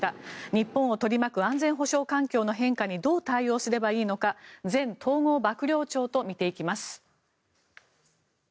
日本を取り巻く安全保障環境の変化にどう対応すればいいのか前統合幕僚長と見ていきます。